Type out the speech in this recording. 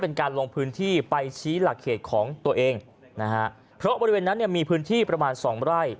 เป็นการลงพื้นที่ไปชี้หลักเขตของตัวเองนะฮะเพราะบริเวณนั้นเนี่ยมีพื้นที่ประมาณสองไร่